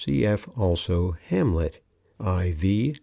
Cf. also Hamlet, IV, 7:4.